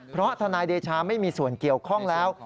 เพราะทนายเดชาไม่มีส่วนเกี่ยวข้องแล้ว